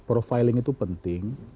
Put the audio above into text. profiling itu penting